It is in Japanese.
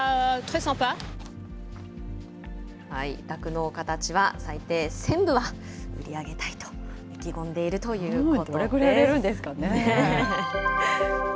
酪農家たちは最低１０００部は売り上げたいと意気込んでいるどれぐらい売れるんですかね。